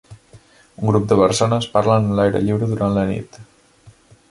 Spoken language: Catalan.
Un grup de persones parlen a l'aire lliure durant la nit.